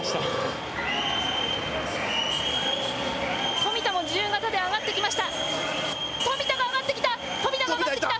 富田も自由形で上がってきました。